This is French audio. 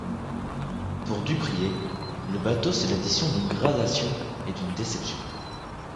Pour Dupriez, le bathos est l'addition d'une gradation et d'une déception.